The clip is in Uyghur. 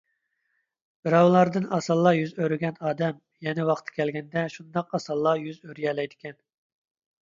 بىراۋلاردىن ئاسانلا يۈز ئۆرۈگەن ئادەم، يەنە ۋاقتى كەلگەندە شۇنداق ئاسانلا يەنە يۈز ئۆرۈيەلەيدىكەن